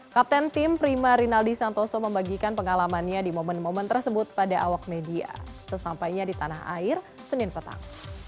kapten tim prima rinaldi santoso membagikan pengalamannya di momen momen tersebut pada awak media sesampainya di tanah air senin petang